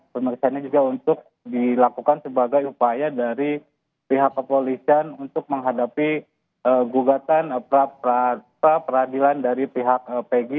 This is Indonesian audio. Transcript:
pemeriksaannya juga untuk dilakukan sebagai upaya dari pihak kepolisian untuk menghadapi gugatan pra peradilan dari pihak pg